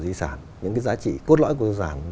di sản những cái giá trị cốt lõi của di sản